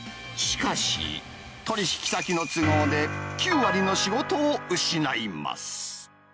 しかし、取り引き先の都合で９割の仕事を失います。